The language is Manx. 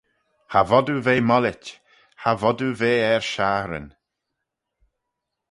Cha vod oo ve mollit, cha vod oo ve er shaghryn.